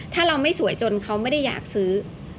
ถ้าเราไม่สวยจนเขาไม่ได้อยากซื้อ